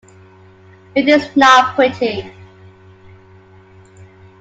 It is not pretty.